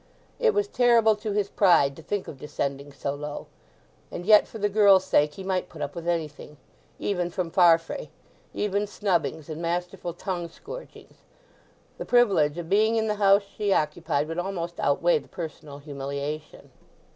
It was terrible to his pride to think of descending so low; and yet, for the girl's sake he might put up with anything; even from Farfrae; even snubbings and masterful tongue scourgings. The privilege of being in the house she occupied would almost outweigh the personal humiliation.